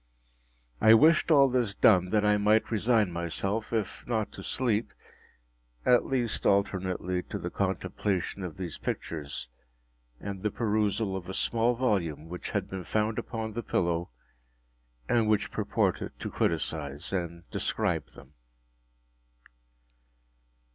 I wished all this done that I might resign myself, if not to sleep, at least alternately to the contemplation of these pictures, and the perusal of a small volume which had been found upon the pillow, and which purported to criticise and describe them.